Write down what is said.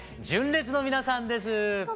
純烈の皆さんです。